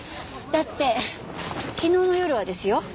だって昨日の夜はですよ